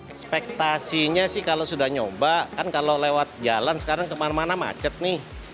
ekspektasinya sih kalau sudah nyoba kan kalau lewat jalan sekarang kemana mana macet nih